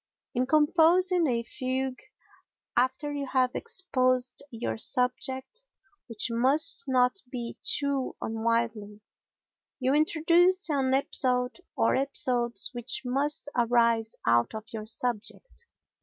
In composing a fugue, after you have exposed your subject, which must not be too unwieldly, you introduce an episode or episodes which must arise out of your subject.